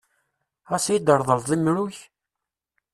Ɣas ad yi-d-tṛeḍleḍ imru-k?